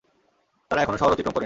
তারা এখনও শহর অতিক্রম করেনি।